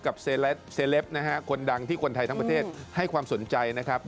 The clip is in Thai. เซเลปนะฮะคนดังที่คนไทยทั้งประเทศให้ความสนใจนะครับ